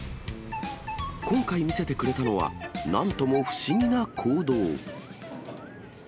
今回見せてくれたのは、なんとも不思議な行動。